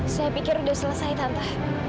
saya pikir sudah selesai tanpa